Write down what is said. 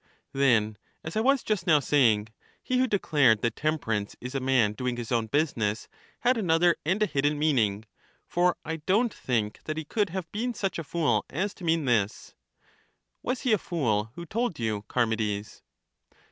Then, as I was just now saying, he who declared that temperance is a man doing his own business had another and a hidden meaning; for I don't think that he could have been such a fool as to mean this. Was he a fool who told you, Charmides?